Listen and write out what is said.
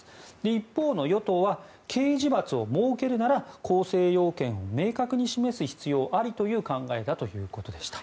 一方、与党は刑事罰を設けるなら構成要件を明確に示す必要ありという考えだということでした。